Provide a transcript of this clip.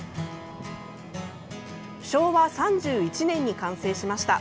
昭和３１年に完成しました。